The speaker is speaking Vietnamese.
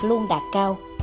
luôn đạt cao